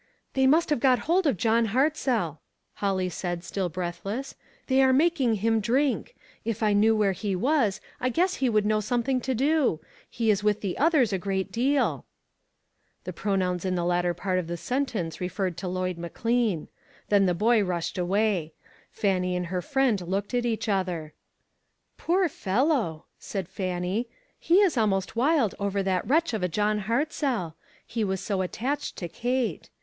"They have got hold of John Hartzell," Holly said still breathless. " They are making him drink. If I knew where he was, I guess he would know something to do. He is with the others a great deal." The pronouns in the latter part of the sentence referred to Lloyd McLean. Then •ONLY A QUESTION OF TIME." 463 the boy rushed away. Fannie and her friend looked at each other. " Poor fellow !" said Fannie. " He is al most wild over that wretch of a John HartzelL He was so attached to Kate.